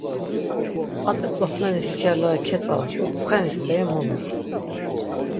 Atzi tzoxleni tekerleği ketzazdu, tsxeni steri mulun.